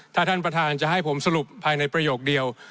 ถ้าท่านประธานจะให้ผมสรุปภายในประโยคเดียว